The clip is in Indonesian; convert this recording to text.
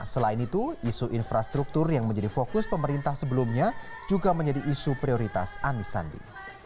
selain itu isu infrastruktur yang menjadi fokus pemerintah sebelumnya juga menjadi isu prioritas anisandi